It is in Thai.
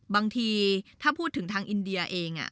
บางทีพูดถึงภาษณาอินเดีย